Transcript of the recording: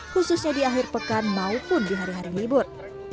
khususnya di akhir pekan maupun di hari hari libur